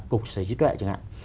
cục sở hữu trí tuệ chẳng hạn